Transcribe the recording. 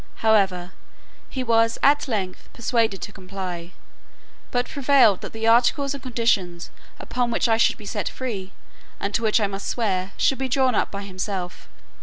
However, he was at length persuaded to comply; but prevailed that the articles and conditions upon which I should be set free, and to which I must swear, should be drawn up by himself.